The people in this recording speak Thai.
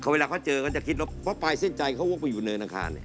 เวลาเค้าเจอเค้าจะคิดว่าพ้อปลายเส้นใจเค้าโว้งไปอยู่ในนางคาร